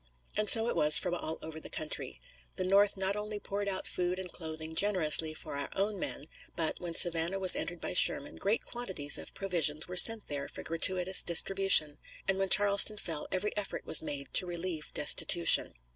And so it was from all over the country. The North not only poured out food and clothing generously for our own men, but, when Savannah was entered by Sherman, great quantities of provisions were sent there for gratuitous distribution, and when Charleston fell every effort was made to relieve destitution.